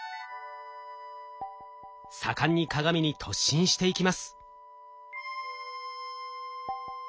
盛んに鏡に突進していきます。